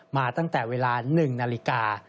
มาตั้งแต่เวลา๑นาฬิกา